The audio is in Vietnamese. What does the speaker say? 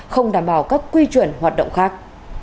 không đảm bảo các quy truyền hoạt động khác